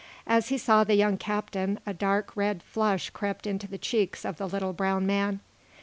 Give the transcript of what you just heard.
As he saw the young captain a dark, red flush crept into the cheeks of the little, brown man.